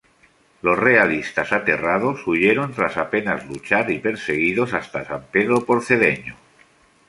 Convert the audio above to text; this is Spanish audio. Los realistas, aterrados, huyeron tras apenas luchar y perseguidos hasta San Pedro por Cedeño.